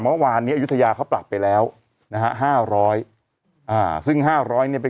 เมื่อวานนี้อายุทยาเขาปรับไปแล้วนะฮะ๕๐๐ซึ่ง๕๐๐เนี่ยไป